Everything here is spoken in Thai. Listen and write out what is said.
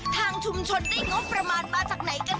ทางชุมชนได้งบประมาณมาจากไหนกัน